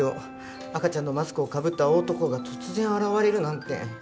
赤ちゃんのマスクをかぶった大男が突然現れるなんて。